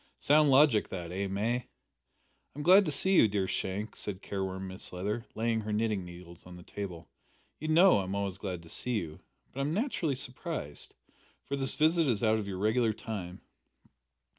Sound logic that, eh, May?" "I'm glad to see you, dear Shank," said careworn Mrs Leather, laying her knitting needles on the table; "you know I'm always glad to see you, but I'm naturally surprised, for this visit is out of your regular time."